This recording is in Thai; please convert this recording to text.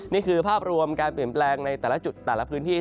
นี่คือภาพรวมการเปลี่ยนแปลงในแต่ละจุดแต่ละพื้นที่